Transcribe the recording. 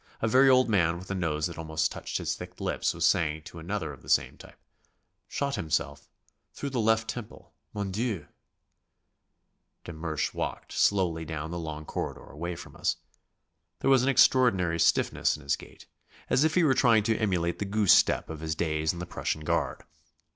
A very old man with a nose that almost touched his thick lips, was saying to another of the same type: "Shot himself ... through the left temple ... Mon Dieu!" De Mersch walked slowly down the long corridor away from us. There was an extraordinary stiffness in his gait, as if he were trying to emulate the goose step of his days in the Prussian Guard.